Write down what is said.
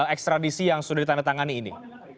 ekstradisi yang sudah ditandatangani ini